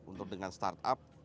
untuk dengan startup